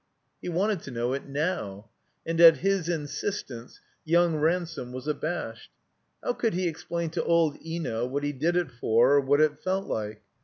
He wanted to know it now. And at his insistence young Ransome was abashed. How could he ex plain to old Eno what he did it for or what it felt like?